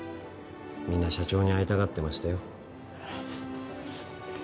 みんな社長に会いたがってましたよ